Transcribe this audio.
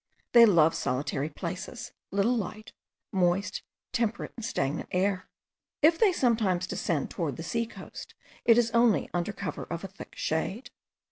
They love solitary places, little light, moist, temperate and stagnant air. If they sometimes descend towards the sea coast, it is only under cover of a thick shade.